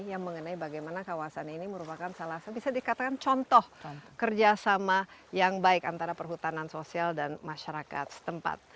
yang mengenai bagaimana kawasan ini merupakan salah satu bisa dikatakan contoh kerjasama yang baik antara perhutanan sosial dan masyarakat setempat